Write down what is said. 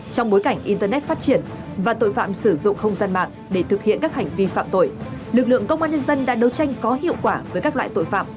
trong bối cảnh internet phát triển và tội phạm sử dụng không gian mạng để thực hiện các hành vi phạm tội lực lượng công an nhân dân đã đấu tranh có hiệu quả với các loại tội phạm